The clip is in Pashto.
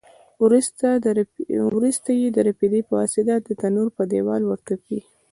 وروسته یې د رپېدې په واسطه د تنور په دېوال ورتپي.